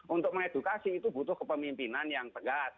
untuk mengedukasi itu butuh kepemimpinan yang tegas